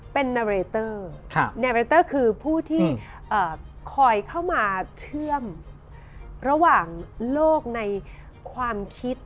เป็นนาเรเตอร์เนเรเตอร์คือผู้ที่คอยเข้ามาเชื่อมระหว่างโลกในความคิด